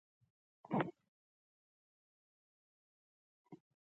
امیر صېب د بې وسۍ یوه اوږده ساه راښکله